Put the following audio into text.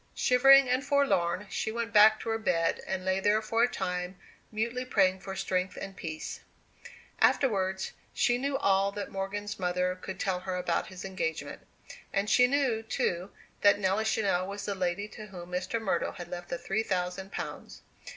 Shivering and forlorn, she went back to her bed, and lay there for a time, mutely praying for strength and peace. Afterwards, she knew all that Morgan's mother could tell her about his engagement. And she knew, too, that Nelly Channell was the lady to whom Mr. Myrtle had left the three thousand pounds.